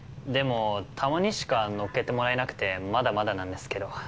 でもたまにしか載っけてもらえなくてまだまだなんですけど。